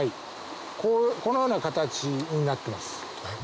このような形になってます。